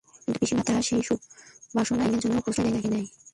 কিন্তু পিসিমা তাহার সেই সুখবাসনায় একদিনের জন্যও প্রশ্রয় দেন নাই।